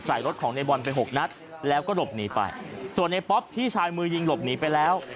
รถของในบอลไปหกนัดแล้วก็หลบหนีไปส่วนในป๊อปพี่ชายมือยิงหลบหนีไปแล้ว